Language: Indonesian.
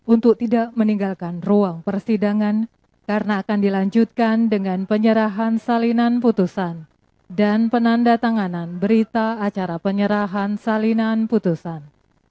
untuk tidak meninggalkan ruang persidangan karena akan dilanjutkan dengan penyerahan salinan putusan dan penanda tanganan berita acara penyerahan salinan putusan